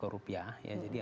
ya jadi artinya sejauh mana